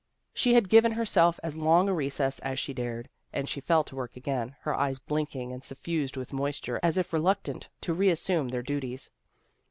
She had given herself as long a recess as she dared, and she fell to work again, her eyes blinking and suffused with moisture as if reluctant to reassume then* duties.